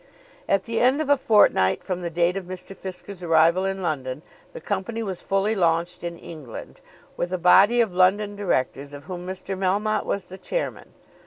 At the end of a fortnight from the date of Mr. Fisker's arrival in London, the company was fully launched in England, with a body of London directors, of whom Mr. Melmotte was the chairman.